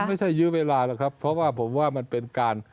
ไม่ใช่ยื้อเวลาหรอกครับเพราะว่าผมว่ามันเป็นการ